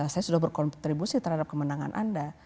saya sudah berkontribusi terhadap kemenangan anda